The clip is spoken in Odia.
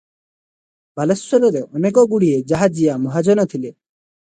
ବାଲେଶ୍ୱରରେ ଅନେକଗୁଡିଏ ଜାହାଜିଆ ମହାଜନ ଥିଲେ ।